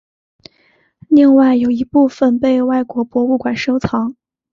另外有一部份被外国博物馆收藏。